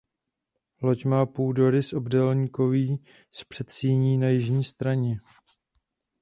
Loď má půdorys obdélníkový s předsíní na jižní straně.